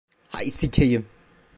Hay sikeyim.